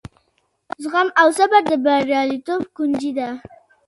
زغم او صبر د بریالیتوب کونجۍ ده.